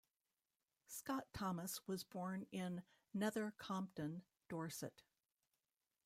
Scott Thomas was born in Nether Compton, Dorset.